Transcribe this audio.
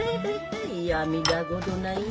嫌みだごとない。